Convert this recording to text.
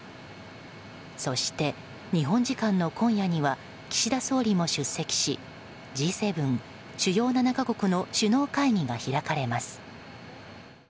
そして、日本時間の今夜には岸田総理も出席しＧ７・主要７か国の首脳会議が開かれます。